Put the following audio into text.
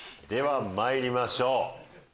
ではまいりましょう。